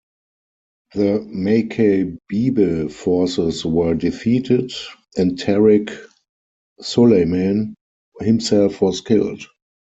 The Macabebe forces were defeated, and Tarik Sulayman himself was killed.